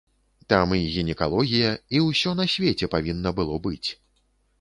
Там і гінекалогія, і усё на свеце павінна было быць.